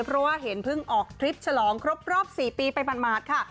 เพราะว่าเห็นเพิ่งออกทริปฉลองครบรอบ๔ปีไปหมาดค่ะ